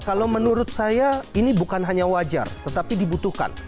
kalau menurut saya ini bukan hanya wajar tetapi dibutuhkan